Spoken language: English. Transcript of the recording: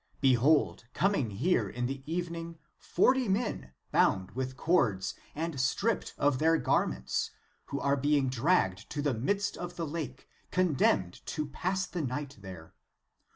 Behold, coming here in the evening, forty men, bound with cords, and stripped of their garments, who are being dragged to the midst of the lake, condemned to pass the night there.